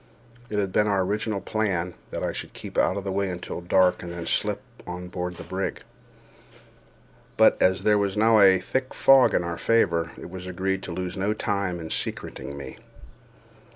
It had been our original plan that I should keep out of the way until dark, and then slip on board the brig; but, as there was now a thick fog in our favor, it was agreed to lose no time in secreting me.